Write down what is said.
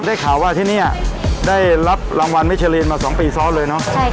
ได้ข่าวว่าที่นี่ได้รับรางวัลเมเชอรีนมา๒ปีซ้อนเลยเนอะ